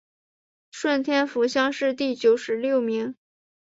顺天府乡试第九十六名。